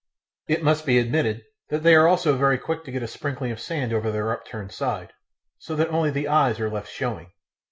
It must be admitted that they are also very quick to get a sprinkling of sand over their upturned side, so that only the eyes are left showing.